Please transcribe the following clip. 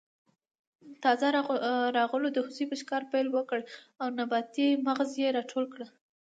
تازه راغلو د هوسۍ په ښکار پیل وکړ او نباتي مغز یې راټول کړل.